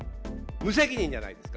無責任じゃないですか？